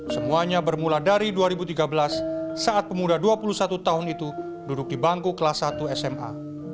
semuanya bermula dari dua ribu tiga belas saat pemuda dua puluh satu tahun itu duduk di bangku kelas satu sma